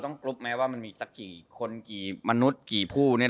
ต้องรวบรูปภูมิเด้มว่ามันมีสักกี่คนไหมสักกี่ภูมิใหญ่